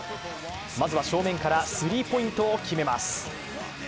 まずは正面からスリーポイントを決めます。